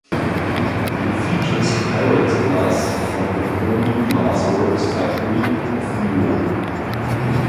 It features pyrex glass from the Corning Glass Works factory of New York.